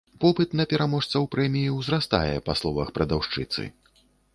Попыт на пераможцаў прэміі ўзрастае, па словах прадаўшчыцы.